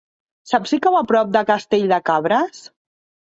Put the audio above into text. Saps si cau a prop de Castell de Cabres?